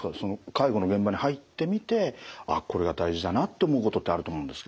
介護の現場に入ってみてあこれが大事だなって思うことってあると思うんですけど。